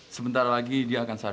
sebentar lagi dia akan sadar